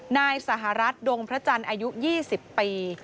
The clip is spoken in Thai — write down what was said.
นายสหรัฐดงพระจันทร์อายุ๒๐ปี